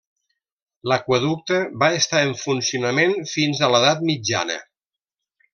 L'aqüeducte va estar en funcionament fins a l'edat mitjana.